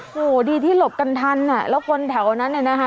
โอ้โหดีที่หลบกันทันอ่ะแล้วคนแถวนั้นน่ะนะคะ